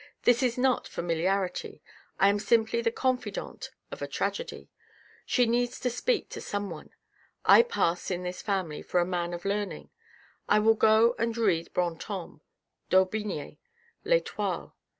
"This is not familiarity, I am simply the confidante of a tragedy, she needs to speak to someone. I pass in this family for a man of learning. I will go and read Brantome, D'Aubigne, L'Etoile.